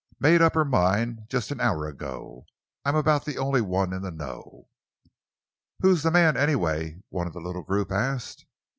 Made up her mind just an hour ago. I'm about the only one in the know." "Who's the man, anyway?" one of the little group asked.